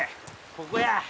ここや。